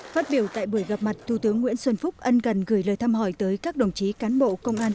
phát biểu tại buổi gặp mặt thủ tướng nguyễn xuân phúc ân gần gửi lời thăm hỏi tới các đồng chí cán bộ công an